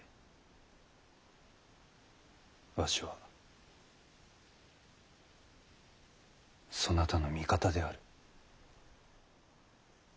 わしはそなたの味方である。